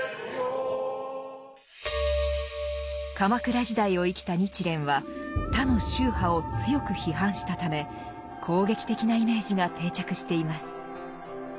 鎌倉時代を生きた日蓮は他の宗派を強く批判したため攻撃的なイメージが定着しています。